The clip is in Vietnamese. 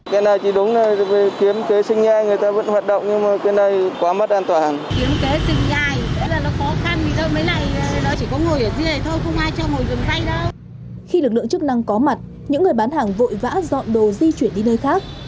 khi lực lượng chức năng có mặt những người bán hàng vội vã dọn đồ di chuyển đi nơi khác